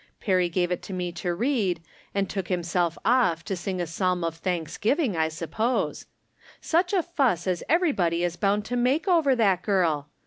Perry gave it to me to read, and took liimself off to sing a psalm of thanksgiving, I suppose. Such a fuss as every body is bound to make over that girl